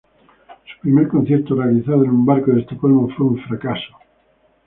Su primer concierto, realizado en un barco en Estocolmo, fue un fracaso.